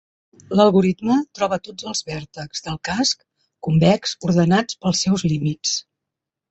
L'algoritme troba tots els vèrtexs del casc convex ordenats pels seus límits.